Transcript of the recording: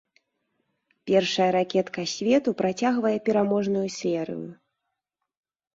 Першая ракетка свету працягвае пераможную серыю.